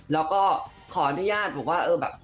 แล้วก็ขออนุญาตบอกว่าเออแบบ